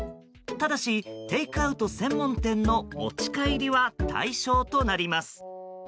ただし、テイクアウト専門店の持ち帰りは対象となります。